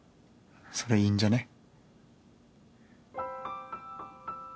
それいいんじゃね。